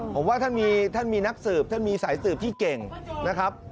ผมว่าท่านมีนักสืบท่านมีสายสืบที่เก่งนะครับ